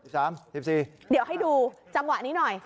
สามสิบสี่เดี๋ยวให้ดูจำวะนี้หน่อย